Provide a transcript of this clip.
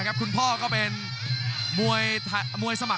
กรุงฝาพัดจินด้า